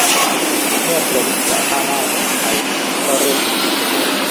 เมื่อพรมและผ้าม่านติดไฟก็เริ่มอบอุ่นขึ้น